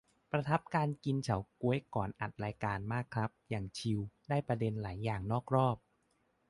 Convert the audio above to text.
ประทับการกินเฉาก๊วยก่อนอัดรายการมากครับ อย่างชิล ได้ประเด็นหลายอย่างนอกรอบ